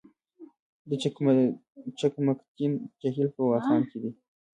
د چقمقتین جهیل په واخان کې دی